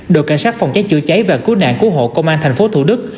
đội cảnh sát phòng cháy chữa cháy và cứu nạn cứu hộ công an tp thủ đức